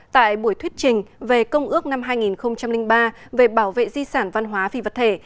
tại buổi thuyết trình về công ước năm hai nghìn ba về bảo vệ di sản văn hóa phi vật thể